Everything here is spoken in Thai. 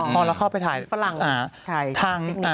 พอเราเข้าไปถ่ายฝรั่ง